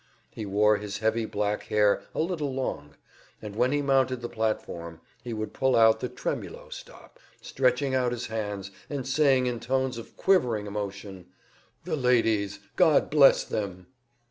He wore his heavy black hair a little long, and when he mounted the platform he would pull out the tremulo stop, stretching out his hands and saying in tones of quivering emotion: "The ladies, God bless them!"